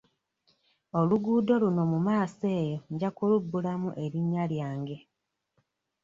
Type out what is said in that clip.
Oluguudo luno mu maaso eyo nja kulubbulamu erinnya lyange.